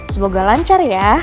semoga lancar ya